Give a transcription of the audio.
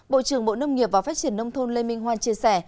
bộ trưởng bộ nông nghiệp và phát triển nông thôn lê minh hoan chia sẻ